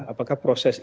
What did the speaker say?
apakah proses ini